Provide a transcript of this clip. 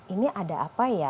ini ada apa ya